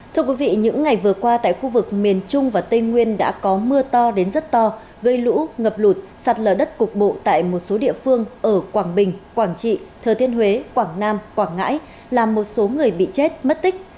thưa quý vị những ngày vừa qua tại khu vực miền trung và tây nguyên đã có mưa to đến rất to gây lũ ngập lụt sạt lở đất cục bộ tại một số địa phương ở quảng bình quảng trị thừa thiên huế quảng nam quảng ngãi làm một số người bị chết mất tích